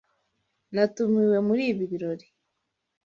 Natumiwe muri ibi birori.